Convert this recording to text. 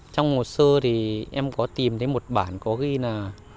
trong một sơ thì em có tìm thấy một bản có ghi là